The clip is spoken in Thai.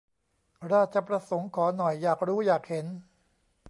ราชประสงค์ขอ หน่อย อยากรู้อยากเห็น